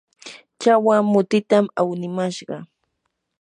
chawa mutitam awnimashqa.